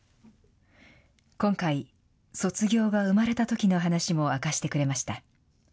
今回、卒業が生まれたときの話も明かしてくれました。